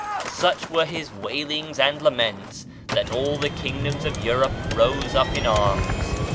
Such were his waitings and laments that all the kingdoms of Europe rose up in arms.